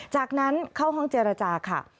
จากนั้นเข้าห้องเจรจาค่ะ